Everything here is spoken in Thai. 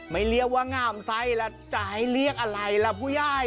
เรียกว่างามไส้แล้วจะให้เรียกอะไรล่ะผู้ใหญ่